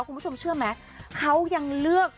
คุณผู้ชมเชื่อไหมเขายังเลือก